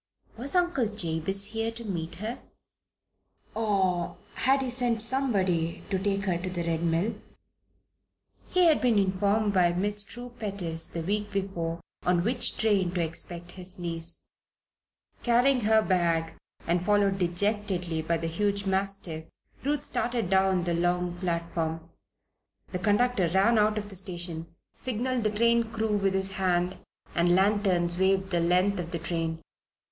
Was Uncle Jabez here to meet her? Or had he sent somebody to take her to the Red Mill? He had been informed by Miss True Pettis the week before on which train to expect his niece. Carrying her bag and followed dejectedly by the huge mastiff, Ruth started down the long platform. The conductor ran out of the station, signalled the train crew with his hand, and lanterns waved the length of the train.